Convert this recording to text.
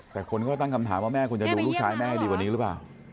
แต่คุณคือตั้งคำถามจากแม่คุณจะดูลูกชายแม่ดีกว่านี้รึเปล่า